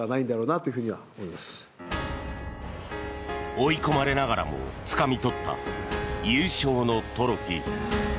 追い込まれながらもつかみ取った優勝のトロフィー。